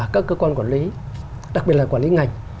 các cơ quan quản lý đặc biệt là quản lý ngành